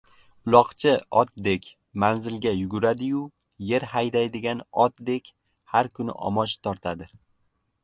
Uloqchi otdek manzilga yuguradi-yu, yer haydaydigan otdek har kuni omoch tortadi...